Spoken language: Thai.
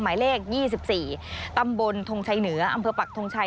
หมายเลข๒๔ตำบลทงชัยเหนืออำเภอปักทงชัย